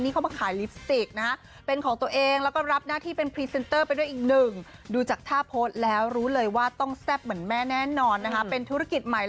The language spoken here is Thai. เค้ามาขายลิปสติกนะคะเป็นของตัวเองแล้วก็รับหน้าที่เป็นลักษณ์ต้นไปด้วยอีก๑ดูจากโทรศัพท์แล้วรู้เลยว่าต้องแทบเหมือนแม่แน่นอนนะคะเป็นธุรกิจ